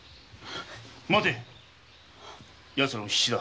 待てヤツらも必死だ。